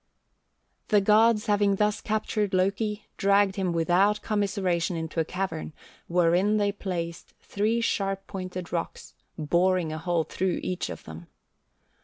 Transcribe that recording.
"The gods having thus captured Loki, dragged him without commiseration into a cavern, wherein they placed three sharp pointed rocks, boring a hole through each of them.